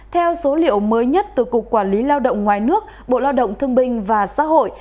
theo số liệu mới nhất từ cục quản lý lao động ngoài nước bộ lao động thương binh và xã hội